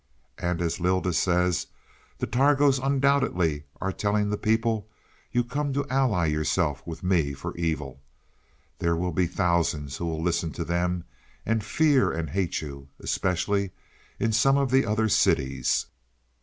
And as Lylda says, the Targos undoubtedly are telling the people you come to ally yourself with me for evil. There will be thousands who will listen to them and fear and hate you especially in some of the other cities."